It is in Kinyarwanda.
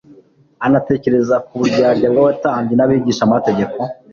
anatekereza ku buryarya bw'abatambyi n'abigishamategeko.